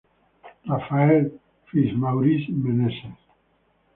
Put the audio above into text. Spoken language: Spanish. Rafael Fitzmaurice Meneses.